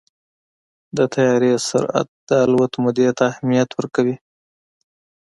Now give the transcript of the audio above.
د طیارې سرعت د الوت مودې ته اهمیت ورکوي.